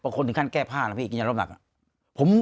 บางคนถึงการแก้ผ้าแล้วพี่กินยารดน้ำหนัก